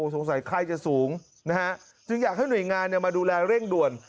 ไข้จะสูงนะฮะจึงอยากให้หน่วยงานมาดูแลเร่งด่วน